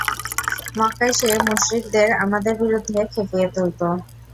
মক্কায় সে মুশরিকদের আমাদের বিরুদ্ধে ক্ষেপিয়ে তুলত।